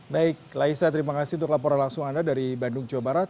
baik laisa terima kasih untuk laporan langsung anda dari bandung jawa barat